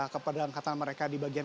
kepada angkatan mereka di bagian